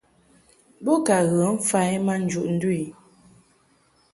Bo ka ghə mfa i ma njuʼ ndu i.